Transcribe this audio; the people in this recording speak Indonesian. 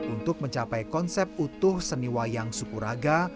untuk mencapai konsep utuh seni wayang sukuraga